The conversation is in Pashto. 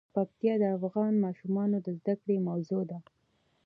پکتیا د افغان ماشومانو د زده کړې موضوع ده.